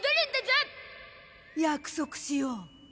約束しよう。